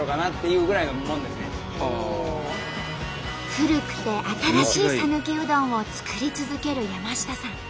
古くて新しいさぬきうどんを作り続ける山下さん。